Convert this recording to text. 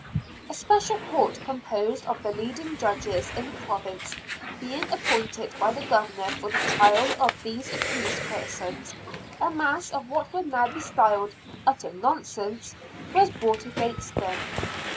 A special court composed of the leading judges in the province being appointed by the Governor for the trial of these accused persons, a mass of what would be now styled "utter nonsense" was brought against them.